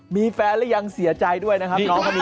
มีแฟนแล้วยังเสียใจด้วยนะครับ